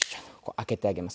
開けてあげます。